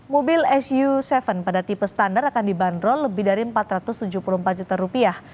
mobil su tujuh pada tipe standar akan dibanderol lebih dari empat ratus tujuh puluh empat juta rupiah